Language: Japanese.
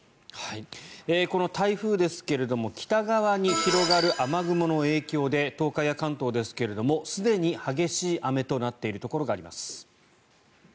この台風ですが北側に広がる雨雲の影響で東海や関東ですがすでに激しい雨となっているところがあります。